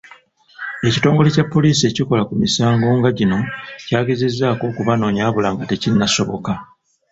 Ekitongole kya Poliisi ekikola ku misango nga gino kyagezezaako okubanoonya wabula nga tekinnasoboka